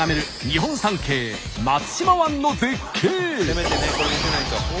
せめてねこれ見せないと。